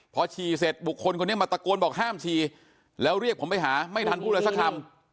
พอฉี่เสร็จบุคคลคนนี้มาตะโกนบอกห้ามฉี่แล้วเรียกผมไปหาไม่ทันพูดอะไรสักคำ